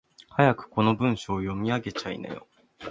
早くこの文章を読み上げちゃいなよ。